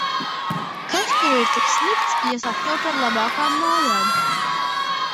Kas tur ir tik slikts, ja sapņo par labākām mājām?